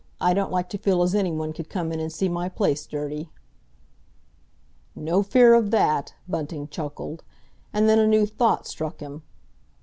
I don't like to feel as anyone could come in and see my place dirty." "No fear of that!" Bunting chuckled. And then a new thought struck him.